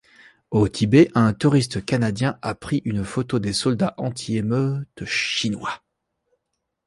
Au Tibet, un touriste canadien a pris une photo des soldats anti-émeutes chinois.